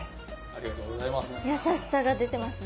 ありがとうございます。